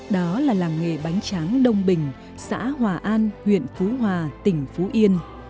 đó là làng nghề bánh tráng đông bình xã hòa an huyện phú hòa tỉnh phú yên